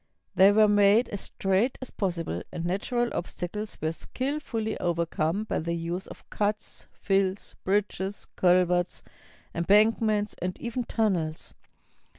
They were made as straight as possible, and natural obstacles were skillfully overcome by the use of cuts, fills, bridges, culverts, embankments, and even tunnels.